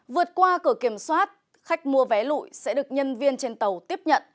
vượt qua cửa kiểm soát khách mua vé lụi sẽ được nhân viên trên tàu tiếp nhận